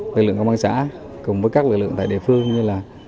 lực lượng công an xã cùng với các lực lượng tại địa phương như là